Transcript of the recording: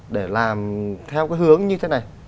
để làm theo cái hướng như thế này